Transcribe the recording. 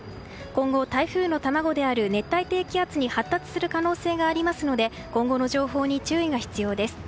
今後、台風の卵である熱帯低気圧に発達する可能性がありますので今後の情報に注意が必要です。